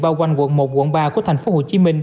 bao quanh quận một quận ba của tp hcm